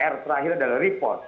r terakhir adalah report